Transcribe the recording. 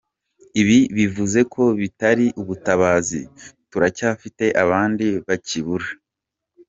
Ibi bivuze ko bitari ubutabazi, turacyafite abandi bakibura.